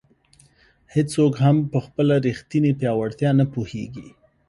هیڅوک هم په خپله ریښتیني پیاوړتیا نه پوهېږي.